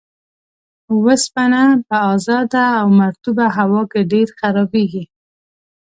اوسپنه په ازاده او مرطوبه هوا کې ډیر خرابیږي.